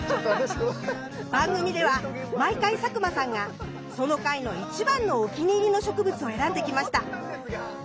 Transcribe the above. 番組では毎回佐久間さんがその回の一番のお気に入りの植物を選んできました。